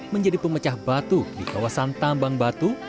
menjadi pemecah batu di kawasan tambang batu